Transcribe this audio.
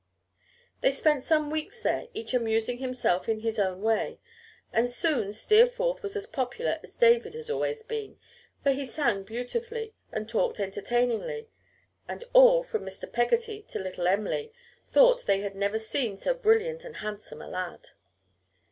They spent some weeks there, each amusing himself in his own way, and soon Steerforth was as popular as David had always been, for he sang beautifully and talked entertainingly, and all, from Mr. Peggotty to little Em'ly, thought they had never seen so brilliant and handsome a lad.